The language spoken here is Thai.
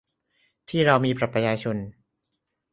ที่เรามีบัตรประชาชน